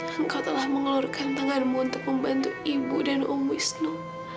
engkau telah mengeluarkan tanganmu untuk membantu ibu dan om wisnu